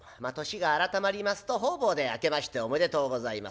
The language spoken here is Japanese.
年が改まりますと方々で「明けましておめでとうございます」